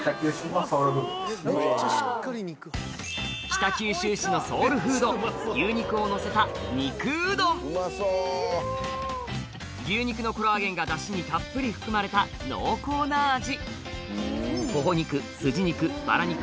北九州市のソウルフード牛肉をのせた牛肉のコラーゲンがダシにたっぷり含まれた濃厚な味